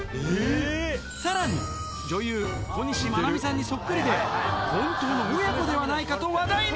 さらに、女優、小西真奈美さんにそっくりで、本当の親子ではないかと話題に。